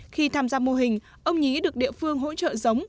khi tham gia mô hình ông nhí được địa phương hỗ trợ giống